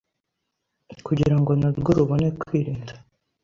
kugira ngo na rwo rubone kwirinda.